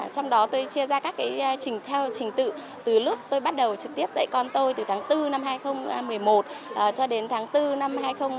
trong đó tôi chia ra các trình theo trình tự từ lúc tôi bắt đầu trực tiếp dạy con tôi từ tháng bốn năm hai nghìn một mươi một cho đến tháng bốn năm hai nghìn một mươi chín